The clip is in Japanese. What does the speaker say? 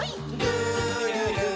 「るるる」